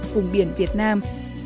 vùng biển việt nam